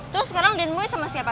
terus sekarang dinmu bisa masih ada